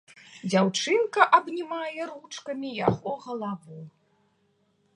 Дзяўчынка абнімае ручкамі яго галаву.